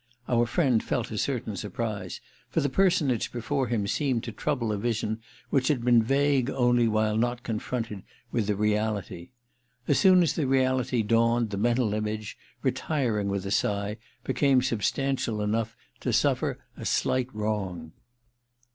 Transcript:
Our friend felt a certain surprise, for the personage before him seemed to trouble a vision which had been vague only while not confronted with the reality. As soon as the reality dawned the mental image, retiring with a sigh, became substantial enough to suffer a slight wrong.